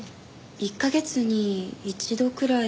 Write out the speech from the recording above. １カ月に１度くらい。